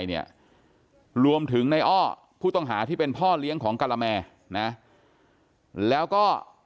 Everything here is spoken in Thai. เนี่ยรวมถึงในอ้อผู้ต้องหาที่เป็นพ่อเลี้ยงของกะละแมนะแล้วก็